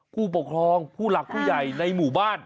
ผู้ปกครองผู้หลักผู้ใหญ่ในหมู่บ้าน